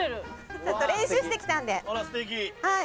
ちょっと練習してきたんで！